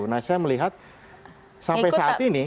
nah saya melihat sampai saat ini